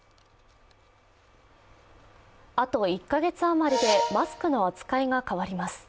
あと１か月あまりでマスクの扱いが変わります。